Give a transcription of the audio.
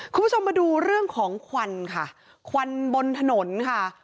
คุณผู้ชมมาดูเรื่องของควันค่ะควันบนถนนค่ะ